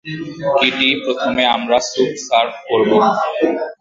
Kitty, প্রথমে আমরা soup serve করবো।